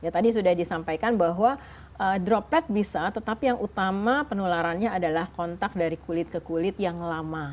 tadi sudah disampaikan bahwa droplet bisa tetapi yang utama penularannya adalah kontak dari kulit ke kulit yang lama